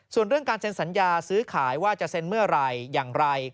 ส่วนเรื่องการเซ็นสัญญาซื้อขายว่าจะเซ็นเมื่อไหร่อย่างไร